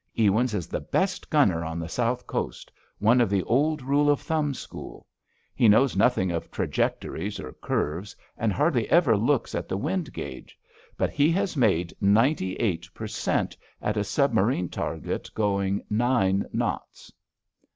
Ewins is the best gunner on the South Coast, one of the old rule of thumb school. He knows nothing of trajectories or curves, and hardly ever looks at the wind gauge. But he has made ninety eight per cent. at a submarine target doing nine knots."